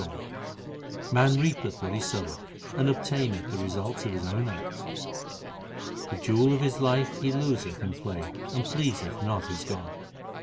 lit B D 370 THE SIKH RELIGION Man reapeth what he soweth, and obtaineth the result of his own acts. The jewel of his life he loseth in play, and pleaseth not his God.